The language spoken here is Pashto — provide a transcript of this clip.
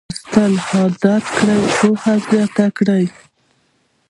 لوستل عادت کړه پوهه زیاته کړه